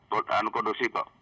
tahan kondisi kok